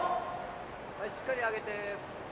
はいしっかり上げて。